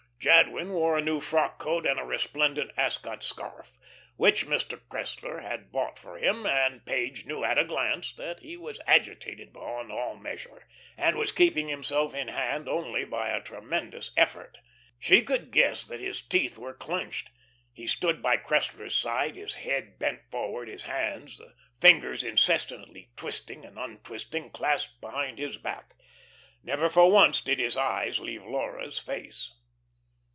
Jadwin wore a new frock coat and a resplendent Ascot scarf, which Mr. Cressler had bought for him and Page knew at a glance that he was agitated beyond all measure, and was keeping himself in hand only by a tremendous effort. She could guess that his teeth were clenched. He stood by Cressler's side, his head bent forward, his hands the fingers incessantly twisting and untwisting clasped behind his back. Never for once did his eyes leave Laura's face.